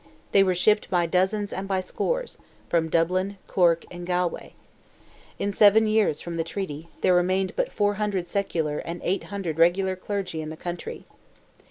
They were shipped by dozens and by scores, from Dublin, Cork, and Galway. In seven years from the treaty, there remained but 400 secular and 800 regular clergy in the country.